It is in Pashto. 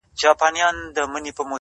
نه په زړه رازونه پخواني لري!.